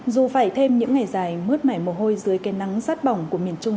dù phải thêm những ngày dài mướt mải mồ hôi dưới cây nắng sát bỏng của miền trung